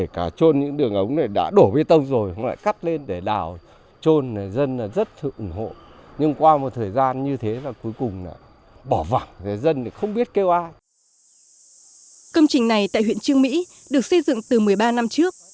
công trình này tại huyện trương mỹ được xây dựng từ một mươi ba năm trước